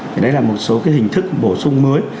thì đấy là một số cái hình thức bổ sung mới